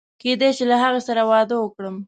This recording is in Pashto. کېدای شي له هغې سره واده وکړم.